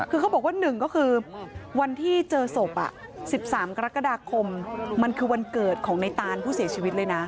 คือเขาบอกว่า๑ก็คือวันที่เจอศพ๑๓กรกฎาคมมันคือวันเกิดของในตานผู้เสียชีวิตเลยนะ